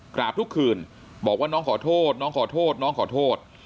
กราบทุกคืนบอกว่าน้องขอโทษน้องขอโทษน้องขอโทษ